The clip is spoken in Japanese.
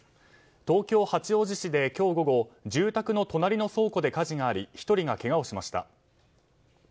東京・八王子市で今日午後住宅の隣の倉庫で火事があり１人がけがをしました。